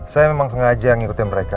saya memang sengaja ngikutin mereka